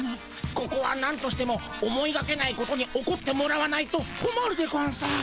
ここはなんとしても思いがけないことに起こってもらわないとこまるでゴンス。